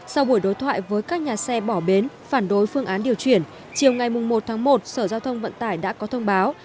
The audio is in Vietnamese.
sau buổi đối thoại với các nhà xe bỏ bến phản đối phương án điều chuyển chiều ngày một tháng một sở giao thông vận tải đã có thông báo